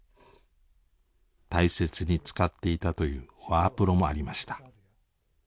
大切に使っていたというワープロもありました。